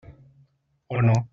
O no.